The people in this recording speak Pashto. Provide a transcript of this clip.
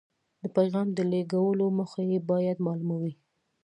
د پیغام د لیږلو موخه یې باید مالومه وي.